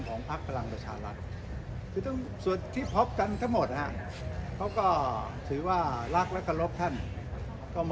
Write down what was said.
ขอสมาชิกทรีย์สภาพุทธแทนลาสธรรม